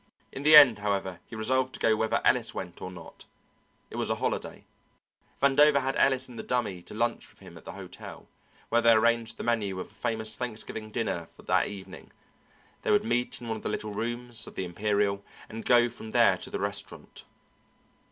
In the end, however, he resolved to go whether Ellis went or not. It was a holiday. Vandover had Ellis and the Dummy to lunch with him at the hotel, where they arranged the menu of a famous Thanksgiving dinner for that evening: they would meet in one of the little rooms of the Imperial and go from there to the restaurant.